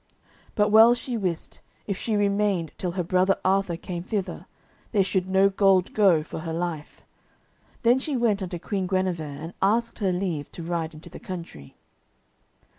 But well she wist, if she remained till her brother Arthur came thither, there should no gold go for her life. Then she went unto Queen Guenever, and asked her leave to ride into the country.